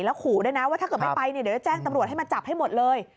ขู่ด้วยนะว่าถ้าเกิดไม่ไปเนี่ยเดี๋ยวจะแจ้งตำรวจให้มาจับให้หมดเลย